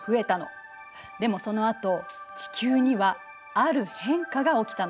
でもそのあと地球にはある変化が起きたの。